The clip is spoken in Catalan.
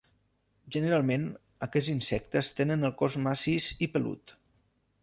Generalment aquests insectes tenen el cos massís i pelut.